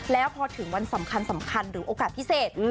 แล้วพอถึงวันสำคัญหรือโอกาสพิเศษ